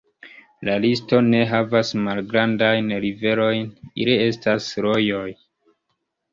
La listo ne havas malgrandajn riverojn, ili estas rojoj.